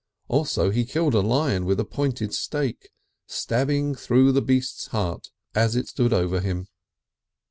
Also he killed a lion with a pointed stake, stabbing through the beast's heart as it stood over him.